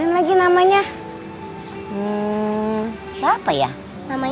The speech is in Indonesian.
iya udah papa izin